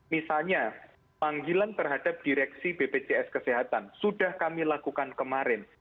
misalnya panggilan terhadap direksi bpjs kesehatan sudah kami lakukan kemarin